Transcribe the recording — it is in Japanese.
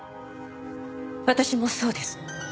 私もそうです。